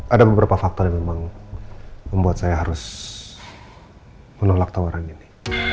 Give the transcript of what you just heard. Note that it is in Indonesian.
ada beberapa faktor yang memang membuat saya harus menolak tawaran ini